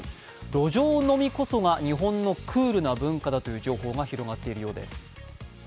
路上飲みこそが日本のクールな文化だという情報が広がっているようです。